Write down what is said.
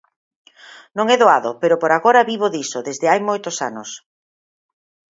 Non é doado pero por agora vivo diso desde hai moitos anos.